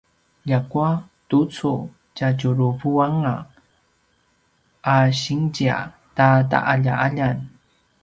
ljakua tucu tjatjuruvanga a sinzia ta ta’alja’aljan